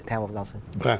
theo phó giáo sư